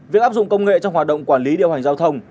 việc áp dụng công nghệ trong hoạt động quản lý điều hành giao thông